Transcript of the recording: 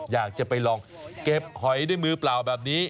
อยากจะไปลองเก็บหอยด้วยมือเปล่าแบบนี้